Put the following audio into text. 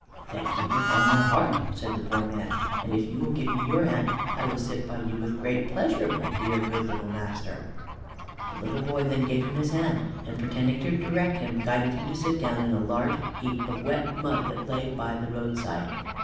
"Thank you with all my heart!" said the poor man; "and if you will give me your hand I will sit by you with great pleasure, my dear good little master." The little boy then gave him his hand, and, pretending to direct him, guided him to sit down in a large heap of wet mud that lay by the roadside.